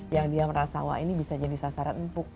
yang dia merasa wah ini bisa jadi sasaran empuk